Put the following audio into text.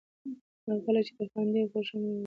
هغه خلک چې خاندي او خوښ وي عمر اوږد لري.